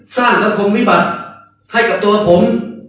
สร้างสังคมวิบัติให้กับตัวผม